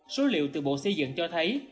số liệu từ bộ xây dựng cho thấy